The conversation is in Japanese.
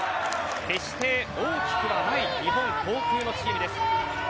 決して大きくはない日本航空のチームです。